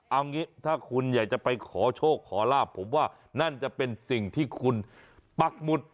เอางี้ถ้าคุณอยากจะไปขอโชคขอลาบผมว่านั่นจะเป็นสิ่งที่คุณปักหมุด